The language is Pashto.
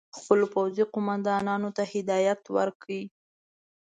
خپلو پوځي قوماندانانو ته هدایت ورکړ.